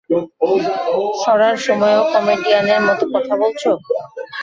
সরার সময়ও কমেডিয়ানের মতো কথা বলছো?